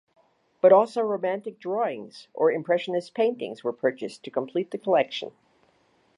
But also Romantic drawings or Impressionist paintings were purchased to complete the collection.